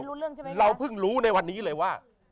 ได้ลู้่เรื่องจากเราเพิ่งรู้ในวันนี้เลยว่า